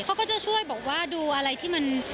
เขาก็จะช่วยบอกว่าดูอะไรที่มัน